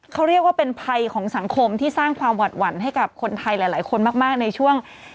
เขาเรียกว่าเป็นภัยของสังคมที่สร้างความหวัดหวั่นให้กับคนไทยหลายคนมากในช่วง